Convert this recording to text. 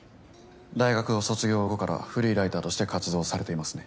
大学を卒業後からフリーライターとして活動されていますね。